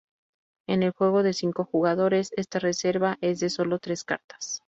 En el juego de cinco jugadores esta reserva es de sólo tres cartas.